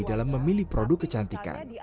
dalam memilih produk kecantikan